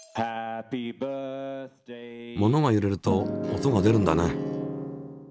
物がゆれると音が出るんだね。